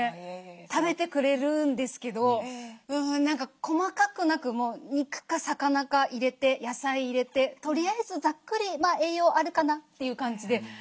食べてくれるんですけど細かくなく肉か魚か入れて野菜入れてとりあえずざっくり栄養あるかなという感じで出してますね。